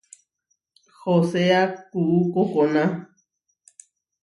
Hoseá kuú kokóna.